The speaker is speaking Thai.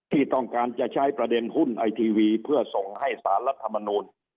ที่ต้องการจะใช้ประเด็นหุ้นไอทีวีเพื่อส่งให้สารรัฐมนูล